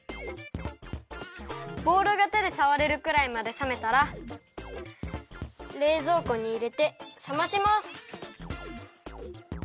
ボウルがてでさわれるくらいまでさめたられいぞうこにいれてさまします。